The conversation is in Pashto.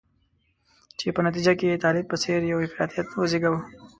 چې په نتیجه کې یې طالب په څېر یو افراطیت وزیږاوه.